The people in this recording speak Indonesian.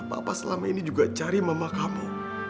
papa selama ini juga cari mama kamu